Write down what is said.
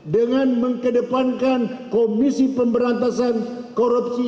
dengan mengedepankan komisi pemberantasan korupsi